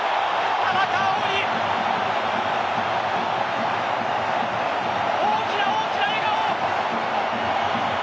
田中碧に大きな大きな笑顔。